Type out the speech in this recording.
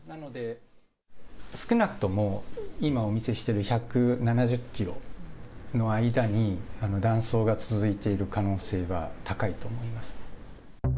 少なくとも、今お見せしてる１７０キロの間に、断層が続いている可能性が高いと思います。